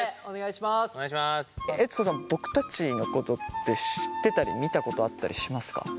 悦子さん僕たちのことって知ってたり見たことあったりしますか？